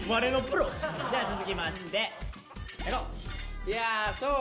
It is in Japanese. じゃあ続きまして長尾。